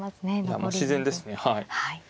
もう自然ですねはい。